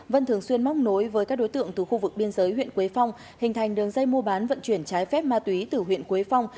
vân thường xuyên móc nối với các đối tượng từ khu vực biên giới huyện quế phong hình thành đường dây mua bán vận chuyển trái phép ma túy từ huyện quế phong